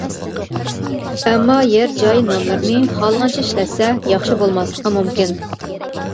ئەمما يەر-جاي ناملىرىنى خالىغانچە ئىشلەتسە ياخشى بولماسلىقى مۇمكىن.